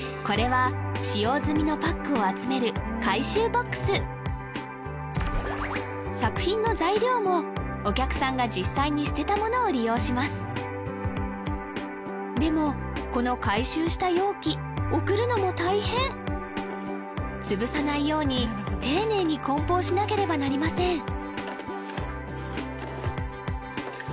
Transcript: これは使用済みのパックを集める作品の材料もお客さんが実際に捨てたものを利用しますでもこの回収した容器送るのも大変潰さないように丁寧に梱包しなければなりません